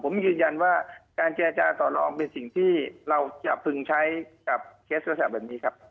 ผมยืนยันว่าการเจรจาต่อลองเป็นสิ่งที่เราจะพึงใช้กับเคสโทรศัพท์แบบนี้ครับ